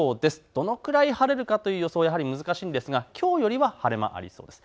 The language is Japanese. どのぐらい晴れるかという予想は難しいんですが、きょうよりは晴れ間がありそうです。